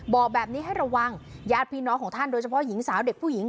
บอกแบบนี้ให้ระวังญาติพี่น้องของท่านโดยเฉพาะหญิงสาวเด็กผู้หญิง